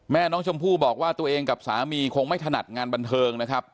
แม่น้องชมพู่บอกว่าตัวเองกับสามีคงไม่ถนัดงานบันเทิงนะครับ